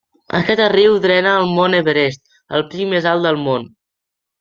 Aquest riu drena el Mont Everest el pic més alt del món.